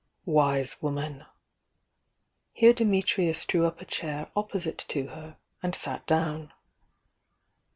"Wise woman!" Here Dimitrius drew up a chair opposite to her and sat down.